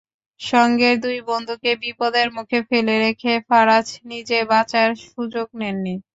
সঙ্গের দুই বন্ধুকে বিপদের মুখে ফেলে রেখে ফারাজ নিজে বাঁচার সুযোগ নেননি।